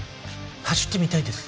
「走ってみたいです」